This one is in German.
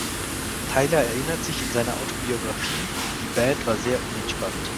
Tyler erinnert sich in seiner Autobiographie: "Die Band war sehr unentspannt."